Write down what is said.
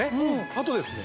あとですね